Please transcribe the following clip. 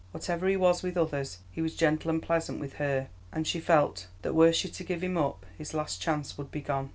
Whatever he was with others, he was gentle and pleasant with her, and she felt that were she to give him up his last chance would be gone.